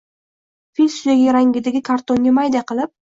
Fil suyagi rangidagi kartonga mayda qilib